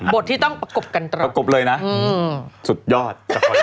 ที่ต้องประกบกันตรงประกบเลยนะสุดยอด